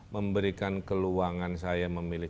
memberikan keluangan saya memilih